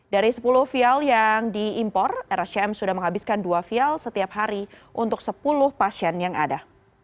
dari sepuluh vial yang diimpor rscm sudah menghabiskan dua vial setiap hari untuk sepuluh pasien yang ada